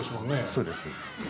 そうです。